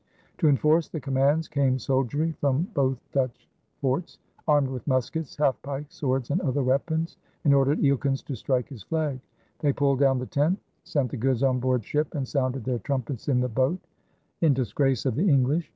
To enforce the commands came soldiery from both Dutch forts, armed with muskets, half pikes, swords, and other weapons, and ordered Eelkens to strike his flag. They pulled down the tent, sent the goods on board ship, and sounded their trumpets in the boat "in disgrace of the English."